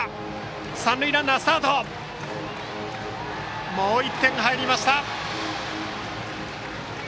三塁ランナーがかえってきてもう１点入りました。